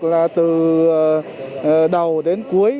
là từ đầu đến cuối